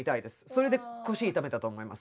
それで腰痛めたと思います。